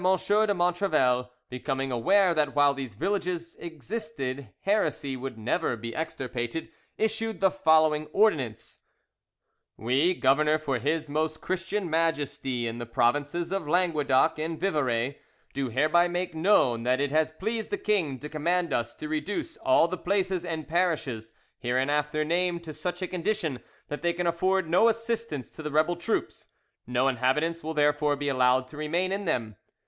de Montrevel becoming aware that while these villages existed heresy would never be extirpated, issued the following ordinance:— "We, governor for His most Christian Majesty in the provinces of Languedoc and Vivarais, do hereby make known that it has pleased the king to command us to reduce all the places and parishes hereinafter named to such a condition that they can afford no assistance to the rebel troops; no inhabitants will therefore be allowed to remain in them.